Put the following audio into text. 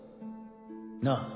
なあ